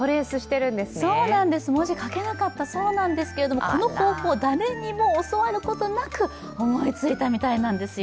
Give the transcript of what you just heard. そうなんです、文字書けなかったそうなんですけど、この方法、誰にも教わることなく思いついたそうなんですよ。